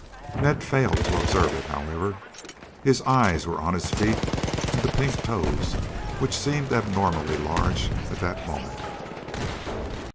Ned failed to observe it, however. His eyes were on his feet and the pink toes which seemed abnormally large at that moment.